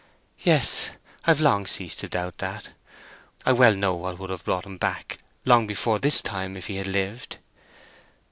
"Yes—I've long ceased to doubt that. I well know what would have brought him back long before this time if he had lived."